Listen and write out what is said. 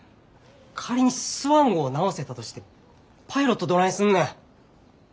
仮にスワン号を直せたとしてもパイロットどないすんねん。